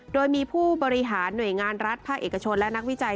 โดยมีผู้บริหารหน่วยงานรัฐภาคเอกชนและนักวิจัย